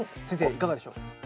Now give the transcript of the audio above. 先生いかがでしょう？